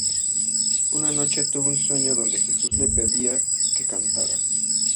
Una noche, tuvo un sueño donde Jesús le pedía que cantara.